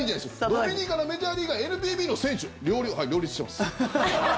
ドミニカのメジャーリーガーＮＰＢの選手、両立してます。